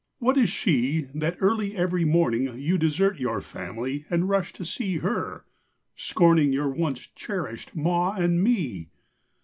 What is she That early every morning You desert your family And rush to see her, scorning Your once cherished ma and me?